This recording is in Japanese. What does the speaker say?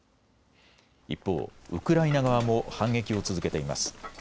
一方、ウクライナ側も反撃を続けています。